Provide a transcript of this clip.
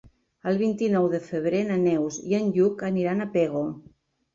El vint-i-nou de febrer na Neus i en Lluc aniran a Pego.